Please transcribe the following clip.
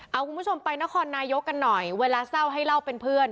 เอาคุณผู้ชมไปนครนายกกันหน่อยเวลาเศร้าให้เล่าเป็นเพื่อน